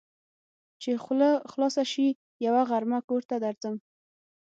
چې خوله خلاصه شي؛ يوه غرمه کور ته درځم.